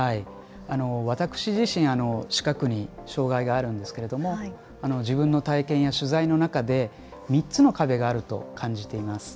私自身、視覚に障害があるんですけれども自分の体験や取材の中で３つの壁があると感じています。